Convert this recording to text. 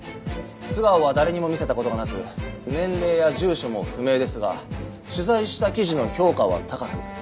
素顔は誰にも見せた事がなく年齢や住所も不明ですが取材した記事の評価は高く。